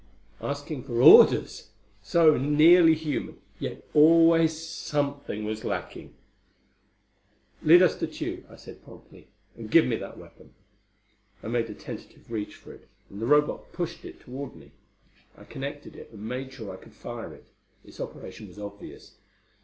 Asking for orders! So nearly human, yet always something was lacking! "Lead us to Tugh," I said promptly. "And give me that weapon." I made a tentative reach for it, and the Robot pushed it toward me. I connected it and made sure I could fire it: its operation was obvious.